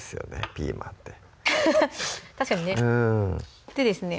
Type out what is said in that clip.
ピーマンってハハハッ確かにねでですね